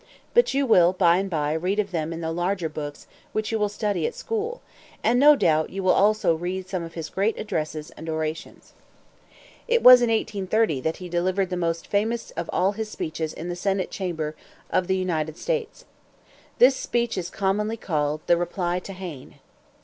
But you will by and by read of them in the larger books which you will study at school; and, no doubt, you will also read some of his great addresses and orations. It was in 1830 that he delivered the most famous of all his speeches in the senate chamber of the United States. This speech is commonly called, "The Reply to Hayne."